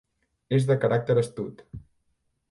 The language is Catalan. És de caràcter astut.